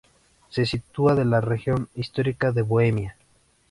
Se sitúa en la región histórica de Bohemia.